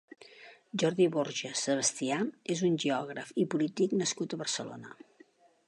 Jordi Borja Sebastià és un geògraf i polític nascut a Barcelona.